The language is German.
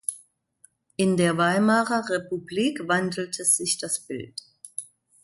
In der Weimarer Republik wandelte sich das Bild.